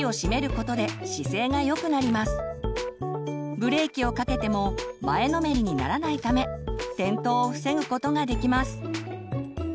ブレーキをかけても前のめりにならないため転倒を防ぐことができます。